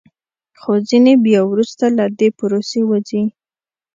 خو ځینې بیا وروسته له دې پروسې وځي